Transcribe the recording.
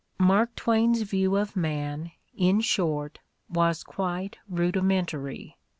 Mark Twain's view of man, in short, was quite rudi mentary.